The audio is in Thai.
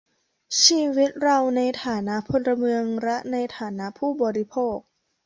ชีวิตเราในฐานะพลเมืองและในฐานะผู้บริโภค